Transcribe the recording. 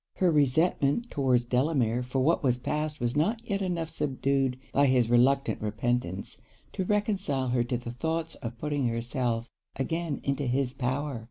Her resentment towards Delamere for what was passed was not yet enough subdued by his reluctant repentance, to reconcile her to the thoughts of putting herself again into his power.